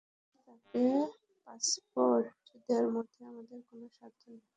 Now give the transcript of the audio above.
ফলে আমি মনে করি, তাঁকে পাসপোর্ট দেওয়ার মধ্যে আমাদের কোনো স্বার্থ নেই।